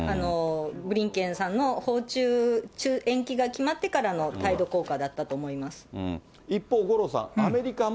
ブリンケンさんの訪中延期が決まってからの態度こうかだったと思一方、五郎さん、アメリカも